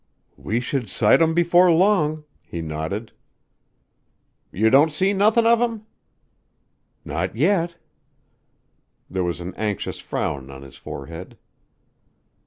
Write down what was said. "We should sight 'em before long," he nodded. "You don't see nothin' of 'em?" "Not yet." There was an anxious frown on his forehead.